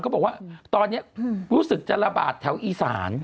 บอกว่าตอนนี้รู้สึกจะระบาดแถวอีสาน